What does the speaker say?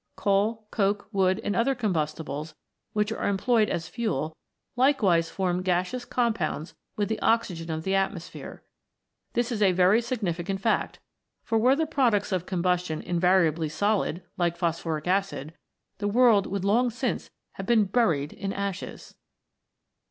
Coal, coke, wood, and other combustibles which are employed as fuel, likewise form gaseous compounds with the oxygen of the atmosphere. This is a very significant fact, for were the products of combustion invariably solid, like phosphoric acid, the world would long since have been buried in ashes.